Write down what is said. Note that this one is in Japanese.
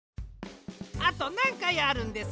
あとなんかいあるんです？